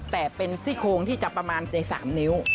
แต่เป็นซี่โครงที่จะประมาณใน๓นิ้ว